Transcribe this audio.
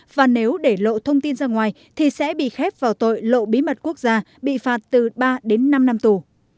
và nếu để lộ thông tin ra ngoài thì sẽ bị khép vào tội lộ bí mật quốc gia bị phạt từ ba đến năm năm tù